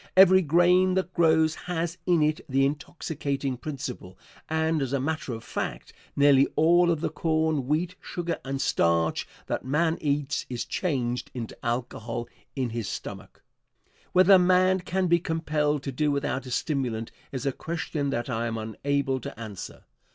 Every grain that grows has in it the intoxicating principle, and, as a matter of fact, nearly all of the corn, wheat, sugar and starch that man eats is changed into alcohol in his stomach. Whether man can be compelled to do without a stimulant is a question that I am unable to answer.